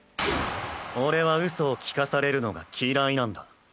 俺はうそを聞かされるのが嫌いなんだ。